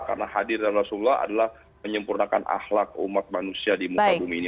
karena hadirnya rasulullah adalah menyempurnakan ahlak umat manusia di muka bumi ini